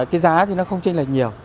cái giá thì nó không trên là nhiều